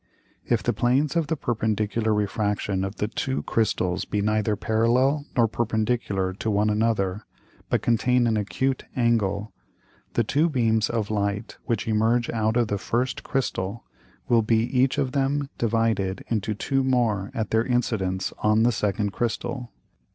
If the Planes of the perpendicular Refraction of the two Crystals be neither parallel nor perpendicular to one another, but contain an acute Angle: The two beams of Light which emerge out of the first Crystal, will be each of them divided into two more at their Incidence on the second Crystal.